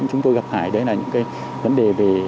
chúng tôi gặp phải là những vấn đề về